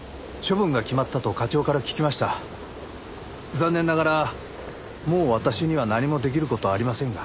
残念ながらもう私には何も出来る事はありませんが。